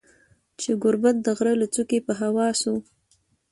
چي ګوربت د غره له څوکي په هوا سو